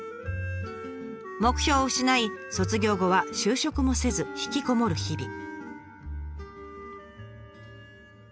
目標を失い卒業後は就職もせず引きこもる日々。